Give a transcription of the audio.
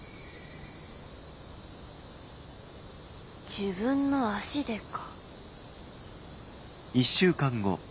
自分の足でか。